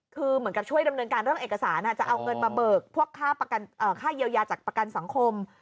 คือเหมือนกับช่วยดำเนินการเรื่องเอกสารจะเอาเงินมาเบิกพวกค่าเยียวยาจากประกันสังคม